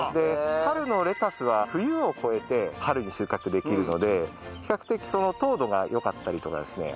春のレタスは冬を越えて春に収穫できるので比較的糖度が良かったりとかですね